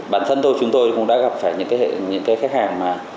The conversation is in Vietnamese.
bản thân tôi chúng tôi cũng đã gặp phải những cái khách hàng mà